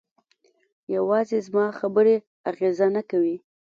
یوازې زما خبرې اغېزه نه کوي.